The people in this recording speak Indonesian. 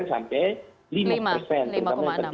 yang tertinggi di jaya timur